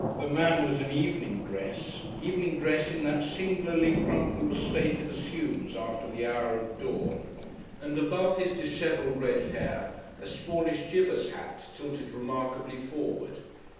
The man was in evening dress, evening dress in that singularly crumpled state it assumes after the hour of dawn, and above his dishevelled red hair, a smallish Gibus hat tilted remarkably forward.